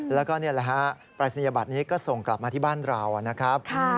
แล้วก็นี่แหละฮะปรายศนียบัตรนี้ก็ส่งกลับมาที่บ้านเรานะครับ